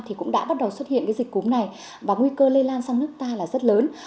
thì cũng đã bắt đầu xuất hiện cái dịch cúm này và nguy cơ lây lan sang nước ta là rất lớn